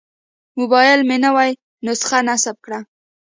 موبایل مې نوې نسخه نصب کړه.